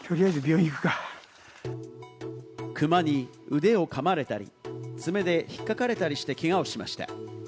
クマに腕を噛まれたり、爪で引っかかれたりして、けがをしました。